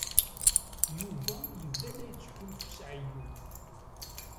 Yuba yebda la yettḥulfu s ɛeyyu.